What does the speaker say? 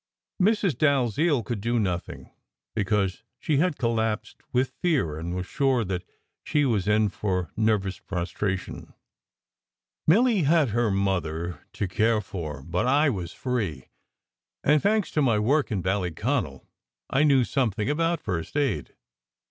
Mrs. Dalziel could do nothing, because she had collapsed with fear, and was sure that she was in for nervous prostration. Milly had her mother to care for; but I was free, and thanks to my work in Ballyconal, I knew something about first aid.